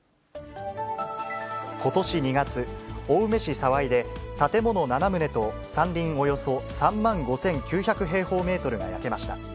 ことし２月、青梅市沢井で建物７棟と山林およそ３万５９００平方メートルが焼けました。